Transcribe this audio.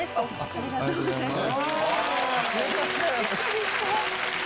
ありがとうございます。